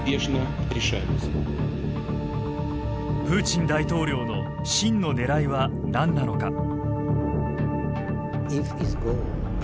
プーチン大統領の真の狙いはなんなのか。